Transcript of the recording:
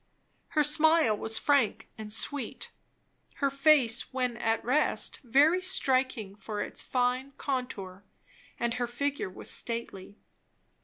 Her smile was frank and sweet; her face when at rest very striking for its fine contour; and her figure was stately.